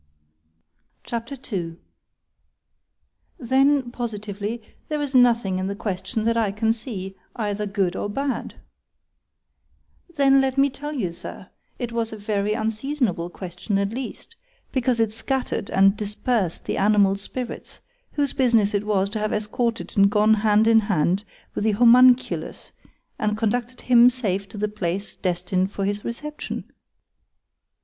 C H A P. II ———Then, positively, there is nothing in the question that I can see, either good or bad.——Then, let me tell you, Sir, it was a very unseasonable question at least,—because it scattered and dispersed the animal spirits, whose business it was to have escorted and gone hand in hand with the HOMUNCULUS, and conducted him safe to the place destined for his reception.